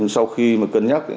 sau khi mà cân nhắc